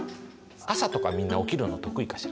朝とかみんな起きるの得意かしら？